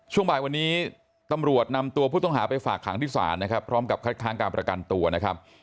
ช่วงบ่ายวันนี้ตำรวจนำตัวผู้ต้องหาไปฝากขังที่ศาลนะครับพร้อมกับคัดค้างการประกันตัวนะครับ